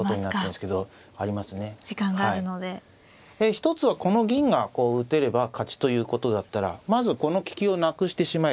一つはこの銀がこう打てれば勝ちということだったらまずこの利きをなくしてしまえと。